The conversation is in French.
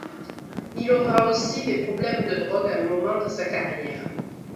Il aura aussi des problèmes de drogue à un moment de sa carrière.